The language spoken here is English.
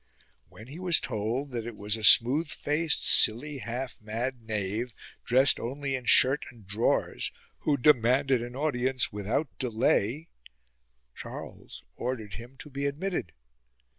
When he was told that it was a smooth faced, silly, half mad knave, dressed only in shirt and drawers, who demanded an audience without delay, Charles ordered him to be admitted.